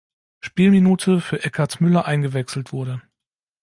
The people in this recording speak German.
Spielminute für Eckhard Müller eingewechselt wurde.